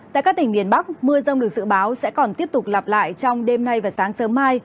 tại các tỉnh miền bắc mưa rông được dự báo sẽ còn tiếp tục lặp lại trong đêm nay và sáng sớm mai